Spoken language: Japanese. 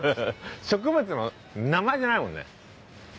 植物の名前じゃないもんね。